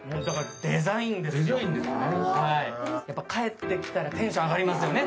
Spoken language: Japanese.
デザインですよ、帰ってきたらテンション上がりますよね。